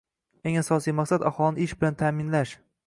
Eng asosiy maqsad – aholini ish bilan ta’minlash